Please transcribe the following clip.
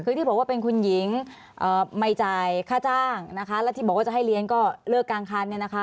คือที่บอกว่าเป็นคุณหญิงไม่จ่ายค่าจ้างนะคะแล้วที่บอกว่าจะให้เรียนก็เลิกกลางคันเนี่ยนะคะ